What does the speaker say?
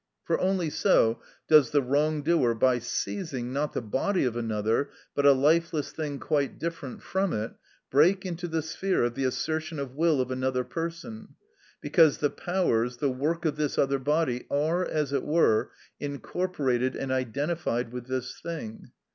For only so does the wrong doer, by seizing, not the body of another, but a lifeless thing quite different from it, break into the sphere of the assertion of will of another person, because the powers, the work of this other body, are, as it were, incorporated and identified with this thing.